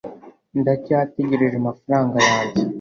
ndacyategereje amafaranga yanjye